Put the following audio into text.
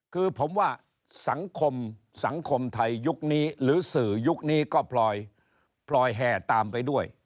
คือผมว่าสังคมสังคมไทยยุคนี้หรือสื่อยุคนี้ก็พลอยแห่ตามไปด้วย